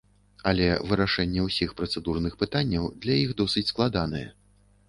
Але вырашэнне ўсіх працэдурных пытанняў для іх досыць складанае.